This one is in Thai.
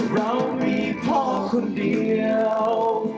เรามีพ่อคนเดียว